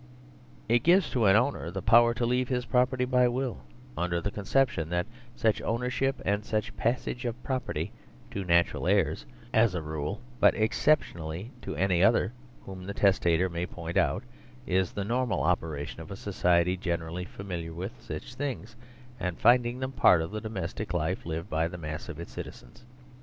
Itgives to an ownerthe power to leave his property by will, under the conception that such ownership and such passage of property (to 83 THE SERVILE STATE natural heirs as a rule, but exceptionally to any other whom the testator may point out) is the normal opera tion of a society generally familiar with such things, and finding them part of the domestic life lived by the mass of its citizens.